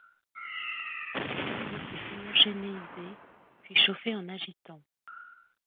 Il faut homogénéiser puis chauffer en agitant.